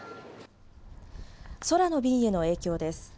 空の便への影響です。